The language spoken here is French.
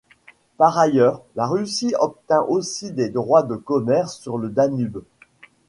Par ailleurs, la Russie obtint aussi des droits de commerce sur le Danube.